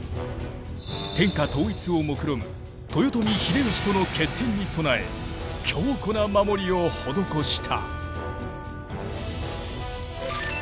天下統一をもくろむ豊臣秀吉との決戦に備え強固な守りを施した。